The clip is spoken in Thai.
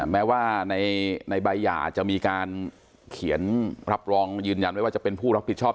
แม้ว่าในใบหย่าจะมีการเขียนรับรองยืนยันไว้ว่าจะเป็นผู้รับผิดชอบ